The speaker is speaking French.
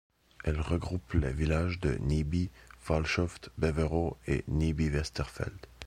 Elle regroupe les villages de Nieby, Falshöft, Beveroe et Niebywesterfeld.